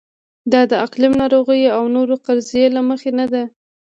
دا د اقلیم، ناروغیو او نورو فرضیې له مخې نه ده.